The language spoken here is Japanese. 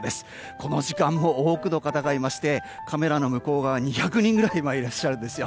この時間も多くの方がいましてカメラの向こう側２００人ぐらいいらっしゃるんですよ。